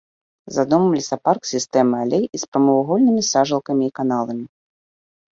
За домам лесапарк з сістэмай алей і з прамавугольнымі сажалкамі і каналамі.